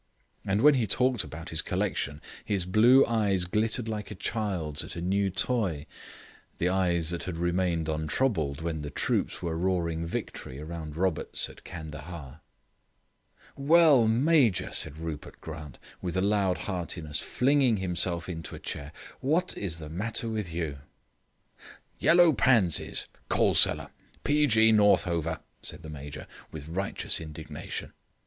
And when he talked about his collection, his blue eyes glittered like a child's at a new toy, the eyes that had remained untroubled when the troops were roaring victory round Roberts at Candahar. "Well, Major," said Rupert Grant, with a lordly heartiness, flinging himself into a chair, "what is the matter with you?" "Yellow pansies. Coal cellar. P. G. Northover," said the Major, with righteous indignation.